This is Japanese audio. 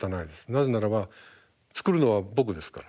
なぜならば作るのは僕ですから。